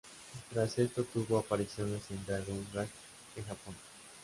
Tras esto tuvo apariciones en Dragon Gate en Japón.